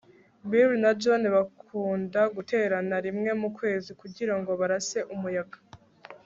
bill na john bakunda guterana rimwe mu kwezi kugirango barase umuyaga